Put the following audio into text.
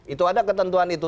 itu ada ketentuan itu